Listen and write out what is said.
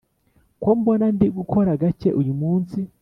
Ko mbona ndi gukora gake uyu munsi